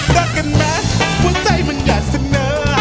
รักกันไหมหัวใจมันอยากเสนอ